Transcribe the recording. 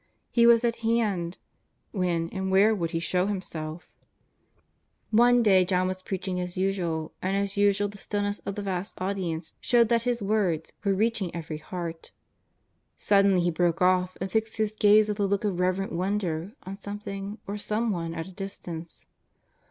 He was at hand ; when and where would He show Himself? 120 JESUS OF NAZARETH. One day John was preaching as usual and as usual the stillness of the vast audience showed that his words were reaching every heart. Suddenly he broke off and fixed his gaze with a look of reverent wonder on some thing or someone at a distance.